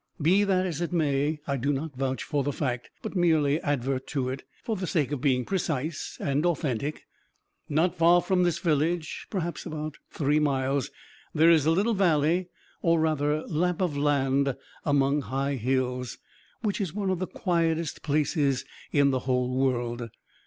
Be that as it may, I do not vouch for the fact, but merely advert to it, for the sake of being precise and authentic. Not far from this village, perhaps about three miles, there is a little valley or rather lap of land among high hills, which is one of the quietest places in the whole world.